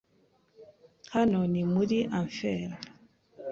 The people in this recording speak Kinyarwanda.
Hano ni muri enfer